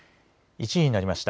１時になりました。